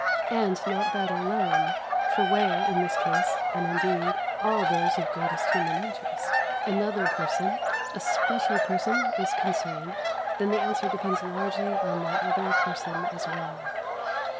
And not that alone, for where, as in this case, and, indeed, all those of greatest human interest, another person, a special person, is concerned, then the answer depends largely on that other person as well.